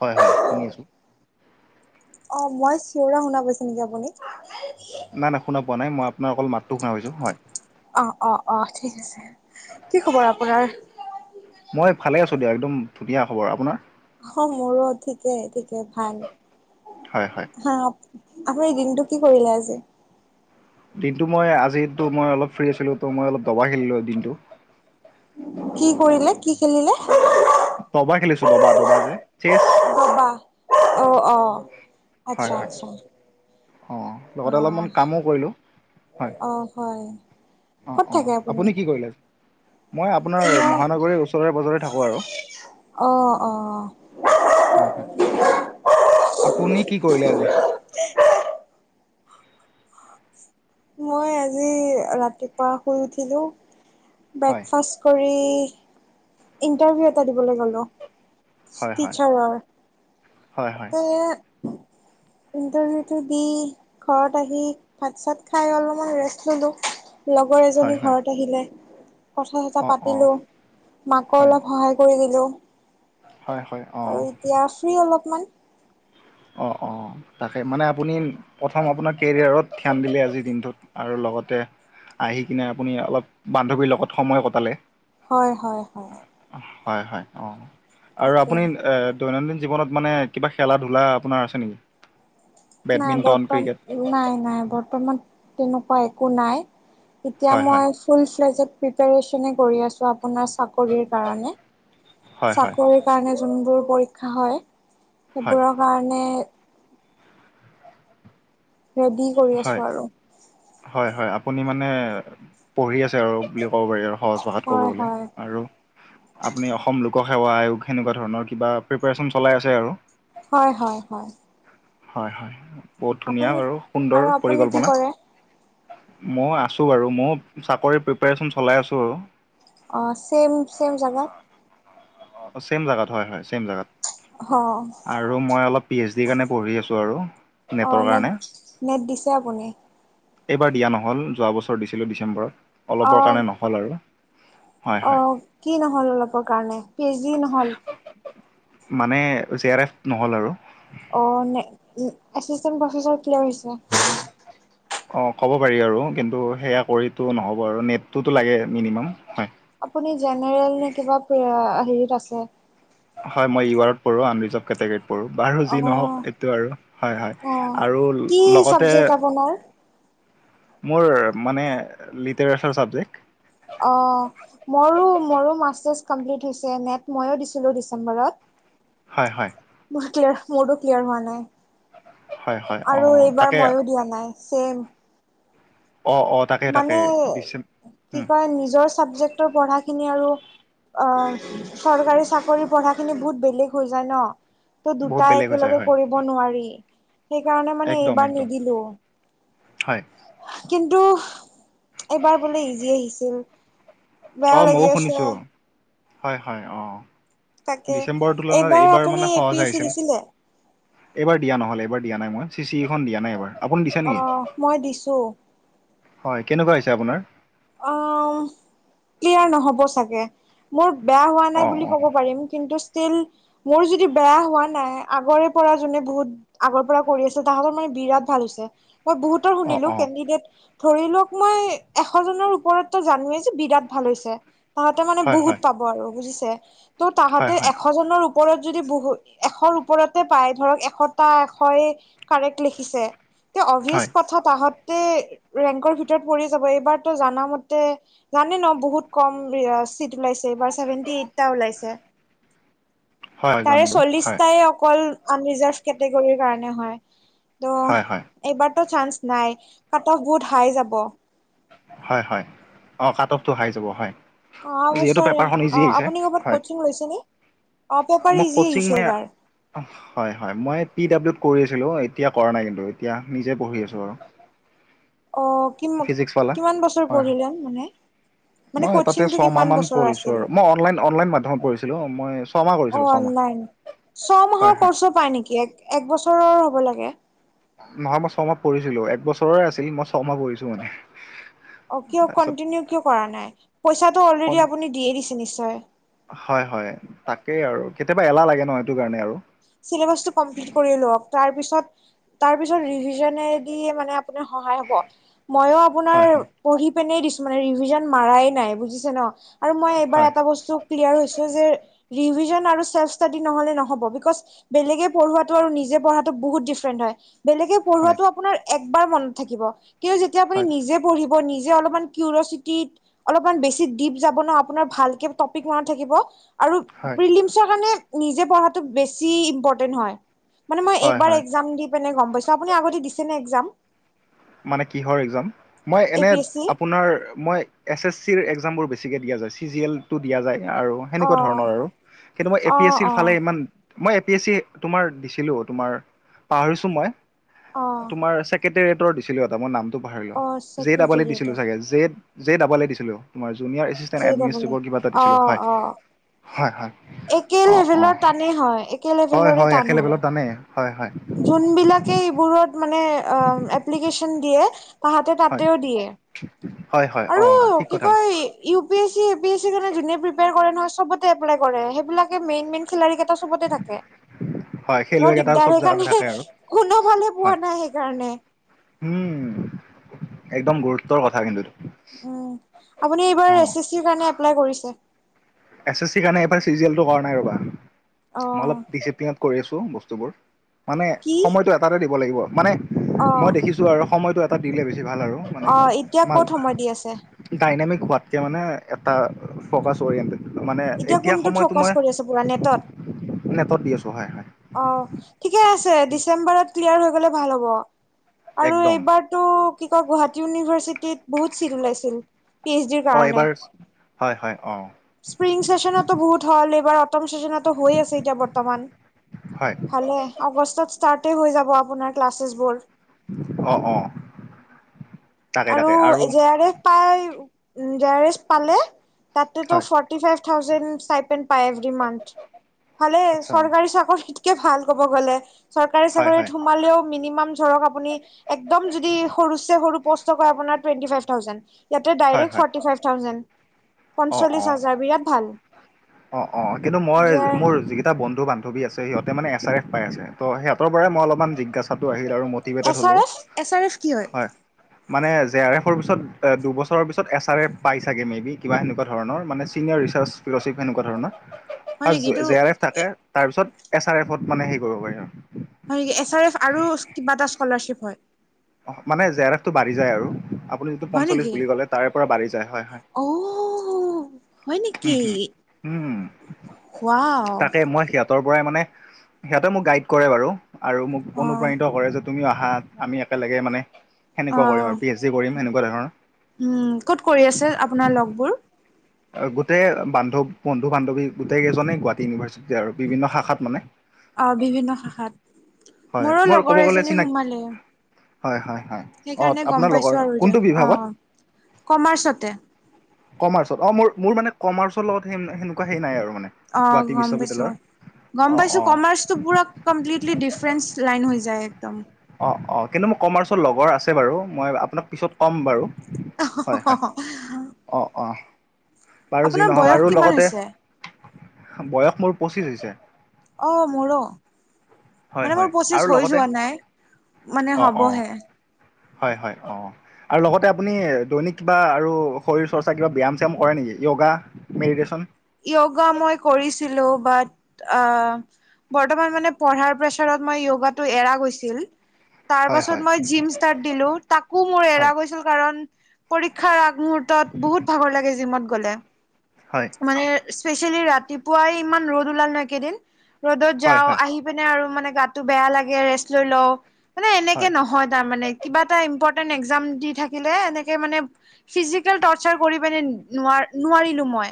হয় হয় শুনি আছোঁ অ মই চিঞৰা শুনা পাইছে নেকি আপুনি নাই নাই শুনা পোৱা নাই মই আপোনাৰ অকল মাতটো শুনা পাইছোঁ হয় অ অ অ ঠিক আছে কি খবৰ আপোনাৰ মই ভালে আছো দিয়া একদম ধুনীয়া খবৰ আপোনাৰ অ মোৰো ঠিকে ঠিকে ভাল হয় হয় হা আপুনি দিনটো কি কৰিলে আজি দিনটো মই আজোতো মই অলপ ফ্ৰী আছিলো তো মই অলপ দবা খেলিলো দিনটো। কি কৰিলে? কি খেলিলে? দবা খেলিছো দবা দবা যে চেছ। দবা অ অ', আচ্ছা আচ্ছা। অ ', লগতে অ অলপমান কামো কৰিলোঁ হয়। অ', হয়। অ', ক'ত অ' থাকে আপুনি কি কৰিলে? মই আপোনাৰ মই মহানগৰীৰ ওচৰৰে পজৰে থাকোঁ আৰু। অ অ হয় হয়। আপুনি কি কৰিলে আজি? মই আজি ৰাতিপুৱা শুই উঠিলো। হয় ব্ৰেকফাষ্ট কৰি ইন্টাৰভিউ এটা দিবলৈ গলো। হয় হয়, হয় হয়। এ, ইন্টাৰভিউটো দি ঘৰত আহি ভাত চাত খাই অলপমান ৰেষ্ট ললো। লগৰ এজনী হয় হয় ঘৰত আহিলে। কথা চথা অঁ অঁ পাতিলো মাকো হয় অলপ সহায় কৰি দিলোঁ। হয় হয়। অঁ আৰু এতিয়া ফ্ৰী অলপমান। অ', অ'। তাকে মানে আপুনি প্ৰথম আপোনাৰ কেৰিয়াৰত ধ্যান দিলে আজিৰ দিনটোত, আৰু লগতে আহি কিনে আপুনি অলপ বান্ধৱীৰ লগত সময় কটালে। হয় হয় হয়। হয় হয়, অ', আৰু তাকে আপুনি এ দৈনন্দিন জীৱনত মানে কিবা খেলা ধূলা আপোনাৰ আছে নেকি? নাই বেডমিণ্টন বৰ্তম ক্ৰিকেট নাই নাই বৰ্তমান তেনেকুৱা একো নাই। এতিয়া হয় হয় মই ফুল [unintelligible] প্ৰিপাৰেচনে কৰি আছোঁ, আপুনাৰ চাক কৰিৰ কাৰণে, হয় হয় চাকৰিৰ কাৰণে যোনবোৰ পৰীক্ষা হয় হয় সেইবোৰৰ কাৰণে ৰেডি কৰি হয় আছোঁ আৰু। হয় হয়, আপুনি মানে পঢ়ি আছে আৰু বুলি ক'ব পাৰি আৰু সহজ ভাষাত ক'ব হয় গ'লে, হয় আৰু আপুনি অসম লোকসেৱা আয়োগ সেনেকুৱা ধৰণৰ কিবা প্ৰিপাৰচন চলাই আছে আৰু। হয় হয় হয়। হয় হয়, বহুত ধুনীয়া আপুনি আৰু আৰু সুন্দৰ আপুনি কি পৰিকল্পনা। কৰে মই আছোঁ বাৰু ময়ো চাকৰি প্ৰিপৰেচন চলাই আছো আৰু। অ', চেম চেম জেগাত। ছেম জাগাত হয় হয়, ছেম জেগাত। অ আৰু মই অলপ পি এইচ ডিৰ কাৰণে পঢ়ি আছোঁ আৰু, অ নেটৰ নেট কাৰণে। নেট দিছে আপুনি? এইবাৰ দিয়া নহ'ল, যোৱা বছৰ দিছিলোঁ ডিচেম্বৰত অ অলপৰ কাৰণে নহ'ল আৰু। হয় হয় অ', কি নহ'ল অলপৰ কাৰণে পি এইচ ডি নহল? মানে জে আৰ এফ নহ'ল আৰু। অ', নে এচিষ্টেণ্ট প্ৰফেচৰ ক্লীয়েৰ হৈছা? অ', ক'ব পাৰি আৰু কিন্তু সেয়া কৰিতো নহ'ব আৰু নেটটোতো লাগে মিনিমাম। হয় আপুনি জেনেৰেল নে কিবা পে-হেৰিত আছে? হয় মই ইউ আৰত পৰো আনৰিজাৰ্ভ কেটেগৰীত পৰো বাৰো অ যি নহওক এইটো আৰু হয় - হয়, আৰু লগতে ঘৰ মোৰ মানে লিটাৰেচাৰ ছাবজেক্ট অ', মোৰো মোৰো মাষ্টাৰচ কমপ্লিট হৈছে, নেট ময়ো দিছিলোঁ ডিচেম্বৰত। হয় - হয় মোৰ ক্লিয়াৰ মোৰো ক্লিয়াৰ হোৱা হয় হয় নাই অ আৰু এইবাৰ তাকে ময়ো দিয়া নাই। চেম অ অ তাকে তাকে মানে দিছে কি উম কয় নিজৰ চাবজেক্টৰ পঢ়াখিনি আৰু অ', চৰকাৰী চাকৰি পঢ়াখিনি বহুত বেলেগ হৈ যায় ন'। ত' বহুত দুটা বেলেগ হৈ যায় একেলগে হয় কৰিব নোৱাৰি। সেইকাৰণে মানে একদম এইবাৰ একদম নিদিলো হয় কিন্তু এএবাৰ বোলে ইজি আহিছিল অ বেয়াও ময়ো লাগি আছে। শুনিছো হয় - হয়, অ', তাকে ডিচেম্বৰৰ তুলনাত এইবাৰ আপুনি মানে এ পি সহজ এছ চি আহিছিল। দিছিলে এইবাৰ দিয়া নহল এইবাৰ দিয়া নাই মই চি চি ই খন দিয়া নাই এইবাৰ আপুনি দিছে অ নিকি? মই দিছো হয়, কেনেকুৱা হৈছে আপোনাৰ? অ', ক্লিয়াৰ নহ'ব চাগে। মোৰ বেয়া হোৱা অ নাই বুলি অ ক'ব পাৰিম কিন্তু ষ্টিল মোৰ যদি বেয়া হোৱা নাই আগৰে পৰা যোনে বহুত আগৰ পৰা কৰি আছো তাহাঁতৰ মানে বিৰাট ভাল হৈছে মই বহুত [unintelligible] অ শুনিলো অ কেন্ডিডেট ধৰি লওক মই এশজনৰ ওপৰতটো জানোৱেই বিৰাত ভাল হৈছে তাহাতে মানে হয় বহুত হয় পাব আৰু বুজিছে ত' হয় তাহাতে হয় এশ এশজনৰ ওপৰত যদি বহু এশৰ ওপৰতে পায় ধৰক এশটা এশৰে কাৰেক্ট লিখিছে তে অভিয়াচ হয় কথা তাহঁতে ৰেংকৰ ভিতৰত পৰি যাব এইবাৰ ত' জানা মতে জানে ন' বহুত কম উম, চিট ওলাইছে এইবাৰ চেভেনটি এইটটা ওলাইছে। হয় হয় জানো তাৰে বাৰু হয় চল্লিশটাই অকল আনৰিজাৰ্ভ কেটেগৰীৰ কাৰণে হয়। হয় হয় ত' এইবাৰতো চান্স নাই কাট অফ বহুত হাই যাব। হয় - হয়, অ', কাট অফটো হাই যাব হয় অহা যিহেতু বছৰ পেপাৰখন অ ইজি আহিছে আপুনি ক'ৰবাত হয় কচিং লৈছে নে? অ পেপাৰ মোক ইজি কচিং আহিছে নিয়া এইবাৰ হয় - হয়, মই পি ডাব্লিউত কৰি আছিলোঁ এতিয়া কৰা নাই কিন্তু এতিয়া নিজে পঢ়ি আছোঁ আৰু। অ', কিমান ফিজিক্স পালা কিমান বছৰ হয় হয় পঢ়িলে মানে? মানে মই তাতে কচিংটো ছয়মাহ কিমান মান বছৰ পঢ়িছোঁ আছিল আৰু মই অনলাইন - অনলাইন মাধ্যমত পঢ়িছিলোঁ মই ছ অ', অনলাইন ছয়মাহৰ হয় কৰ্চো পায় নেকি এক এক বছৰৰ হ'ব লাগে। নহয় মই ছমাহ পঢ়িছিলোঁ এক বছৰৰে আছিল মই ছমাহ পঢ়িছোঁ মানে অ', কিয় তাৰপিছত কন্টিনিউ কিয় কৰা নাই পইচাটো কম অলৰেডি আপুনি দিয়ে দিছে নিশ্চয়। হয় - হয়, তাকেই আৰু কেতিয়াবা এলাহ লাগে ন' সেইটো কাৰণে আৰু চিলেবাচটো কামপ্লিট কৰি লওক তাৰ পিছত তাৰপিছত ৰিভিজনেদি মানে আপোনাৰ সহায় হব ময়ো আপোনাৰ হয় হয় পঢ়ি পিনেই দিছো মানে ৰিভিজন মাৰাই নাই বুজিছে ন' আৰু মই এইবাৰ হয় এটা বস্তু ক্লিয়াৰ হৈছো যে ৰিভিজন আৰু চেল্ফ ষ্টাডি নহলে নহ'ব বিকজ বেলেগে পঢ়োৱাতো আৰু নিজে পঢ়াতো বহুত ডিফাৰেন্ট হয় বেলেগে হয় পঢ়োৱাটো আপোনাৰ একবাৰ মনত থাকিব কিন্তু যেতিয়া আপুনি হয় নিজে পঢ়িব নিজে অলপমান কিউৰিচিটিত অলপমান বেছি ডিপ যাব ন আপোনাৰ ভালকে টপিক মনত থাকিব আৰু। হয়। প্ৰিলিম্ছৰ কাৰণে নিজে পঢ়াটো বেছি ইম্পৰ্টেণ্ট হয়, মানে মই হয় এইবাৰ হয় এক্সাম দি পিনে গম পাইছো আপুনি আগতে দিছেনে এক্সাম? মানে কিহৰ একজাম মই এ এনে পি এছ চি আপোনাৰ মই। এছ এছ চিৰ এক্সাম বোৰ বেছিকৈ দিয়া যায় চি জি এলটো দিয়া যায় আৰু। অ সেনেকুৱা ধৰণৰ আৰু, কিন্তু মই এ অ পি এছ চিৰ অ ফালে ইমান মই এ পি এছ ছি তোমাৰ দিছিলো তোমাৰ পাহৰিছোঁ মই, অ তোমাৰ চেক ৰেটৰ দিছিলো এটা মই নামটো পাহৰিলো অ জে ডাব দিছিলো চেক্ৰেটেৰিয়েটত চাগে জে যে ই ই দিছিলো তোমাৰ junior assistant J double E administrate কিবা এটা অ দিছিলো হয়। অ হয় হয়, একে অ অ, লেভেলৰ টানেই হয় একে হয় লেভেলৰে হয় একে লেবেলত জানেই হয় হয়। জোন কিবা এই বোৰত মানে এপ্লিকেচন দিয়ে। তাহাতে হয় তাতেও দিয়ে, হয় হয় আৰু অঁ ঠিক কি কথা কৈছে কয় U P S C, A P S চিৰ কাৰণে যোনে প্ৰিপেয়াৰ কৰে নহয়, চবতে এপেলাই কৰে সেইবিলাকে মেইন মেইন খিলাৰী কেইটা চবতে থাকে। [inaudible] হয় খেলুৱ বৰ এক দিগদাৰ এটাব্দ সেইকাৰণে কোনো ভালে পোৱা নাই সেইকাৰণে। উম, একদম গুৰুত্বৰ কথা কিন্তু। উম আপনি অ এবাৰ এচ চি চি কাৰণে এপ্লাই কৰিছে। এছ এছ চিৰ কাৰণে এইবাৰ চিৰিছেলটো কৰা নাই ৰ'বা, মই অলপ অ', ডিচিপ্লিনত কৰি আছো বস্তুবোৰ মানে, কি সময়টো এটা দিব লাগিব মানে অ', মই দে আৰু সময়টো এটা দিলে বেছি ভাল আৰু। মানে অ এতিয়া মাল ক'ত সময় দি আছে। ডাইনামিক হোৱাতকে মানে এটা ফকাৰিয়েটে। মানে এতিয়া কোনটোত সময়তটো ফ'কাচ তোমাৰ, কৰি আছে পুৰা নেটত নেটত দি আছো হয় হয়। অ, ঠিকে আছে ডিচেম্বৰত ক্লিয়াৰ হৈ গলে ভাল হ'ব, আৰু একদম এইবাৰ তো কি কয় গুৱাহাটী ইউনিভাৰ্চিটিত বহুত চিট ওলাইছিল। পি এইচ ডিৰ অহ, কাৰণে এইবাৰ হয় হয়। হয় অঁহ। স্প্ৰিং চেচনতো বহুত হল এইবাৰ অটম চেচনতো হৈ আছে এইতিয়া বৰ্তমান। হয়। হলে আগষ্টত ষ্টাৰ্ট হৈ যাব আপোনাৰ ক্লাছেছ বোৰ। আহ অ। তাকে আৰু তাকে জে আৰ এফ পাই জে আৰ এফ পালে তাতেতো হয় ফৰ্টি ফাইভ থাউজেণ্ড পাই যদি, ভালেই আচ্ছা চৰকাৰী। ভাল ক'ব গ'লে, চৰকাৰী হয় হয় চাকৰিত সোমালেও মিনিমাম ধৰক আ আপুনি একদম যদি সৰুতছে সৰু পোষ্টটো পায় আপোনাৰ টুৱেন্টি ফাইভ থাউজেণ্ড। ইয়াতে হয় ডাইৰেক্ট হয় ফৰ্টি ফাইভ থাউজেণ্ড। অ পঞ্চল্লিশ অ, হাজাৰ বিৰাট ভাল। অ অ কিন্তু মই মোৰ যিকেইটা বন্ধু বান্ধৱ যদি ‌আছে সিহঁতে মানে এছ আৰ এফ পাই আছে তো সিহঁতৰ পৰাই মই অলপমান জিজ্ঞাসাটো আহিল আৰু মোৰ প্ৰতি বেট এছ হলো, R F S R F কি হয়। মানে জে আৰ এফৰ পিছত, দুবছৰৰ পিছত এছ আৰ এফ পাই চাগে মে' বি কিবা এনেকুৱা ধৰণৰ মানে চিনিয়ৰ ৰিচাৰ্চ ফেল'শ্বিপ সেনেকুৱা ধৰণৰ হয় নেকি ফ এইটো জে আৰ এফ থাকে হয় তাৰপিছত, এছ আৰ এফত মানে হেৰী কৰিব পাৰি আৰু। হয় নেকি এছ আৰ এফ আৰু কিবা এটা স্কলাৰশ্বিপ হয়। অ মানে জে আৰ এফটো বাঢ়ি যায় আৰু আপুনি যিটো পঞ্চল্লিছ বুলি ক'লে,, তাৰে পৰা বাঢ়ি যায় হয় হয় ঔ উম হম উম। ৱাও তাকে মই সি পৰাই মানে সিহঁতে মোক গাইড কৰে বাৰু আৰু মোক অ অনুপ্ৰাণিত কৰে তুমিও অহা আমি একেলগে মানে অ সেনেকুৱা কৰিম মানে আৰু পি এইচ ডি কৰিম সেনেকুৱা ধৰণৰ উম ক'ত কৰি আছে আপোনাৰ লগবোৰ? গোটেই বান্ধৱ বন্ধু বান্ধৱী গোটেই কেইজনেই গুৱাহাটী ইউনিভাৰ্চিটি আৰু বিভিন্ন শাখাত মানে অ বিভিন্ন শাখাত, হয় মোৰো মোৰ ক'ব লগৰ গ'লে এজনী চিনাকি সোমালে হয় হয় হয়। অ সেইকাৰণে গম আপোনাৰ লগৰ পাইছো আৰু যে কোনটো অ বিভাগত কমাৰ্চতে কমাৰ্চত অ মোৰ মোৰ মানে কমাৰ্চৰ লগত সেনেকুৱা হেই নাই আৰু মানে অঁ গুৱাহাটী গম পাইছো। বিশ্ববিদ্যালয়ৰ গম অ পাইছোঁ, অ কমাৰ্চটো পূৰা কমপ্লিটলি ডিফাৰেন্ঞ্চ লাইন হৈ যায় একদম। অ', অ', কিন্তু মোৰ কমাৰ্চৰ লগৰ আছে বাৰু, মই আপোনাক পিছত ক'ম বাৰু। হয় হয় [unintelligible] অ', অ', বাৰু যি আপোনাৰ নহওঁক বয়স আৰু কিমান লগতে হৈছে অ বয়স মোৰ পঁচিছ হৈছে। অ', মোৰো। হয় মানে হয় মোৰ পঁচিছ আৰু হৈ লগতে যোৱা নাই, মানে অঁ অঁ হ'বহে। হয় হয়। অ',। আৰু লগতে আপুনি দৈনিক কিবা আৰু শৰীৰ-চৰ্চা কিবা ব্যায়াম-চ্যায়াম কৰে নেকি, য়োগা? মেডিটেশ্যচন? য়োগা মই কৰিছিলো। বাত আ বৰ্তমান মানে পঢ়াৰ প্ৰেছাৰত মই য়োগাটো এৰা গৈছিল। হয় হয় তাৰপাছত মই জিম ষ্টাৰ্ট দিলো। তাকো মোৰ হয় এৰা গৈছিল কাৰণ পৰীক্ষাৰ আগমুৰ্হূতত বহুত ভাগৰ লাগে জিমত গ'লে। হয়। মানে স্পেচিয়েলি ৰাতিপুৱাই ইমান ৰ'দ ওলাল ন একেইদিন। ৰ'দত হয় যাওঁ হয় আহি আহি পিনে আৰু মানে গাতটো বেয়া লাগে ৰেষ্ট লৈ লওঁ মানে এনেকে হয় নহয় তাৰমানে। কিবা এটা ইম্পৰ্টেণ্ট একজাম দি থাকিলে এনেকে মানে ফিজিকেল টচাৰ কৰি পিনে নোৱা নোৱাৰিলো মই,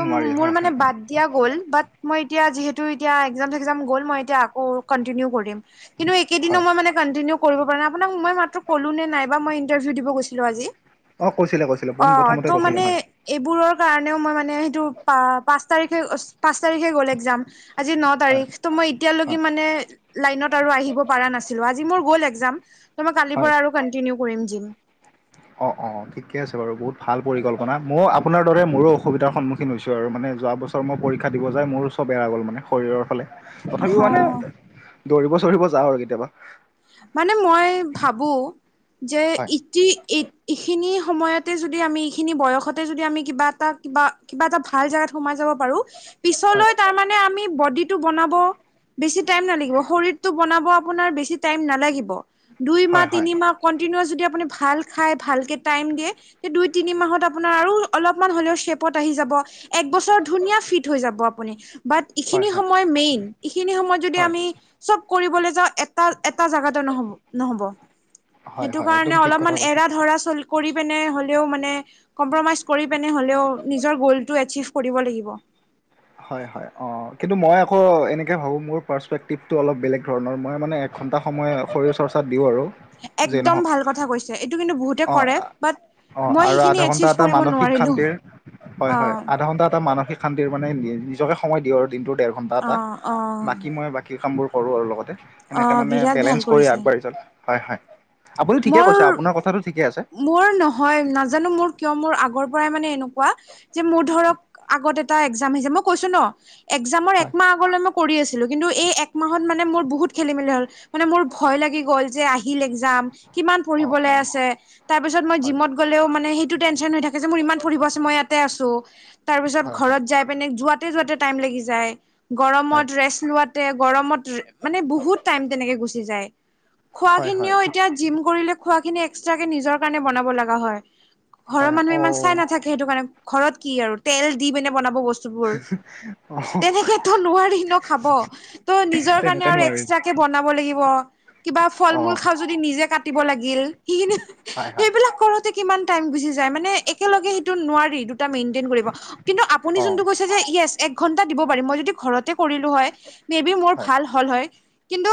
ত' নোৱাৰি মোৰ হয় মানে হয় বাদ এতিয়া গ'ল। বাত মই এতিয়া যিহেতু এতিয়া একজাম- চেকজাম গ'ল, মই এতিয়া আকৌ কণ্টিনিউ কৰিম। কিন্তু একেইদিনো হয় মই মানে কণ্টিনিউ কৰিব পৰা নাই। আপোনাক মই মাত্ৰ ক'লো নে নাই বা মই ইন্টাৰভিউ দিব গৈছিলো আজি! অ', কৈছিলা, কৈছিলা পোন অ' ত' প্ৰথমতে মানে কৈছিলা হয়। এইবোৰৰ কাৰণেও মই মানে সেইটো পা-পাঁচ তাৰিখে পাঁচ তাৰিখে গ'ল একজাম। আজি ন হয় তাৰিখ। ত' মই এতিয়া লৈকে হয় মানে লাইনত আৰু আহিব পৰা নাছিলোঁ, আজি মোৰ গ'ল একজাম। ত' মই কালিৰ হয় পৰা আৰু কণ্টিনিউ কৰিম জিম। অ', অ', ঠিকে আছে বাৰু, বহুত ভাল পৰিকল্পনা। ময়ো আপোনাৰ দৰে মোৰো অসুবিধাৰ সন্মুখীন হৈছো আৰু মানে যোৱাবছৰ পৰীক্ষা দিব যায়, মোৰো চব এৰা গ'ল মানে শৰীৰৰ ফালে। তথাপিও মানে অ' দৌৰিব-চৰিব যাওঁ আৰু কেতিয়াবা। মানে মই ভাবো যে, হয় ইতি এইখিনি সময়ত যদি আমি এইখিনি বয়সতে যদি আমি কিবা এটা কিবা, কিবা এটা ভাল জাগাত সোমাই যাব পাৰো- হয় পিছলৈ তাৰমানে মানে আমি বডীটো বনাব বেছি টাইম নালাগিব, শৰীৰটো বনাব আপোনাৰ বেছি টাইম নালাগিব। হয় হয় দুইমাহ-তিনিমাহ কণ্টিনিওৱাছ যদি আপুনি ভাল খাই, ভালকে টাইম দিয়ে এই দুই-তিনি মাহত আপোনাৰ আৰু অলপমান হ'লেও চেপত আহি যাব। একবছত ধুনীয়া ফিট হৈ যাব আপুনি। বাত হয় ইখিনি হয় সময় মেইন, ইখিনি সময়ত যদি হয় আমি চব কৰিবলৈ যাওঁ এটা এটা জাগাতো নহ'ব, নহ'ব। হয় সেইটো হয় একদম কাৰণে ঠিক কথা অলপমান কৈছে। এৰা ধৰা চল কৰি পেনে হ'লেও মানে কম্প্ৰমাইজ কৰি পিনে হ'লেও, নিজৰ গলটো এচিভ কৰিব লাগিব। হয়, হয়। অ', কিন্তু মই আকৌ এনেকে ভাবো, মোৰ প্ৰাচপেকটিভ অলপ বেলেগ ধৰণৰ। মই মানে একঘণ্টা সময় শৰীৰ চৰ্চাত দিওঁ আৰু! যি একদম নহওক ভাল কথা কৈছে, এইটো কিন্তু বহুতে কৰে। বাত অ', আৰু আধাঘণ্টা এটা মানসিক শান্তিৰ অ হয়-হয় আধাঘন্টা এটা মানসিক শান্তিৰ মানে নি নিজকে সময় দিওঁ আৰু দিনটোৰ দেৰঘন্টা অ এটা। অ বাকী মই বাক কী কামবোৰ কৰোঁ আৰু লগতে, অ এনেকে মানে বিৰাট ভাল বেলেঞ্চ কৰি কৰিছে আগবাঢ়ি যা হয়, হয়। আপুনি ঠিকে কৈছে, মোৰ আপোনাৰ কথাটো ঠিকে আছে। মোৰ নহয়। নাজানো, মোৰ কিয় মোৰ আগৰ পৰাই মানে এনেকুৱা যে মোৰ ধৰক আগত এটা একজাম আহিছে, মই কৈছো ন! একজামৰ এক হয় মাহ আগলৈ মই কৰি আছিলোঁ, কিন্তু এই একমাহত মানে মোৰ বহুত খেলি-মেলি হ'ল। মানে মোৰ ভয় লাগি গ'ল যে আহিল একজাম। কিমান অঁ পঢ়িবলে অঁ আছে তাৰ পিছত মই হয় জিমত গ'লেও মানে সেইটো টেনচন হৈ থাক মোৰ ইমান ফুৰিব আছে মই ইয়াতে আছো তাৰ পিছত হয় হয় ঘৰত যাই পিনে যোৱাত তে যোৱাতো টাইম লাগি যায় হয় গৰমত ৰেষ্ট লোৱাত তে গৰমত ৰে মানে বহুত টাইম তেনেকে গুচি যায় খোৱা হয় হয় খিনিও ঠিক এতিয়া জিম কৰিলে খোৱা খিনি এক্স্টাকে নিজৰ কাৰণে বনাব লাগা হয় ঘৰৰ হয় মানুহে ইমান অঁ চাই নাথা সেইটো কাৰণে ঘৰত কি আৰু তেল দি পেনে বনাব বস্ [unintelligible] তেনেকে ত নোৱাৰি ন খাব ত নিজৰ কাৰণে তেনেকে আৰু নোৱাৰি একস্টাকে বনাব লাগিব কিবা ফল মূল খা যদি নিজে কাটিব লাগিল সেখিনি সেইবিলাক কৰো তে কিমান টাইম গুচি যায় মানে একেলগে সেইটো নোৱাৰি দুটা মেইনটেইন কৰিব কিন্তু আপুনি যোনটো কৈছ তেতিয়া ইয়েছ এক ঘন্টা দিব পাৰিম মই যদি ঘৰতে কৰিলো হয় মেবি মোৰ ভাল হল হয় কিন্তু